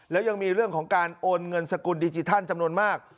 แล้วยังมีเรื่องของการโอนเงินสกุลดิจิทัลจำนวนมาก